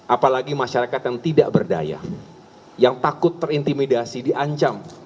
apalagi masyarakat yang tidak berdaya yang takut terintimidasi diancam